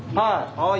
はい！